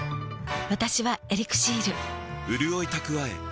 私は「エリクシール」